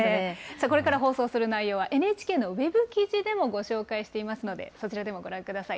これから放送する内容は、ＮＨＫのウェブ記事でもご紹介していますので、そちらでもご覧ください。